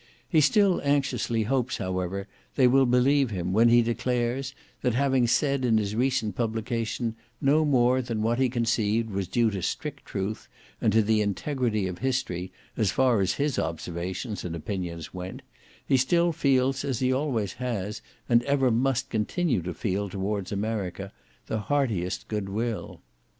He still anxiously hopes, however, they will believe him, when he declares, that, having said in his recent publication no more than what he conceived was due to strict truth, and to the integrity of history, as far as his observations and opinions went, he still feels, as he always has, and ever must continue to feel towards America, the heartiest good will.